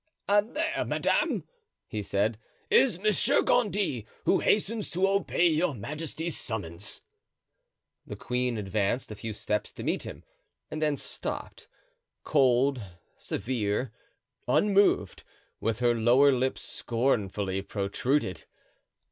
"There, madame," he said, "is Monsieur Gondy, who hastens to obey your majesty's summons." The queen advanced a few steps to meet him, and then stopped, cold, severe, unmoved, with her lower lip scornfully protruded.